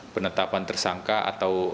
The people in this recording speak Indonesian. penetapan tersangka atau